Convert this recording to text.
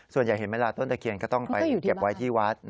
เห็นไหมล่ะต้นตะเคียนก็ต้องไปเก็บไว้ที่วัด